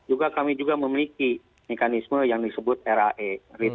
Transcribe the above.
juga kami juga memiliki mekanisme yang disebut rae